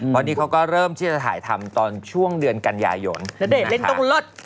พอดีเขาก็เริ่มที่จะถ่ายทำตอนช่วงเดือนกัญญายนนาเดะเล่นตรงเลิศ